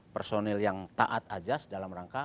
personil yang taat ajas dalam rangka